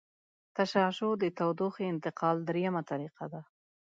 تشعشع د تودوخې انتقال دریمه طریقه ده.